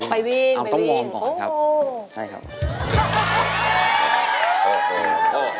ไปวิ่งไปวิ่ง